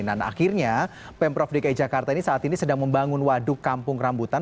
dan akhirnya pemprov dki jakarta ini saat ini sedang membangun waduk kampung rambutan